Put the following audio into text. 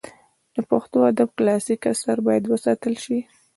د پښتو ادب کلاسیک آثار باید وساتل سي.